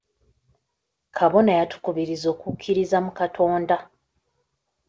Kabona yatukubirizza okukkiririza mu Katonda.